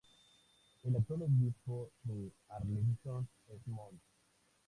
El actual Obispo de Arlington es Mons.